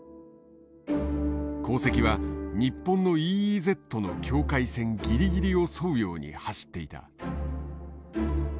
航跡は日本のＥＥＺの境界線ぎりぎりを沿うように走っていた。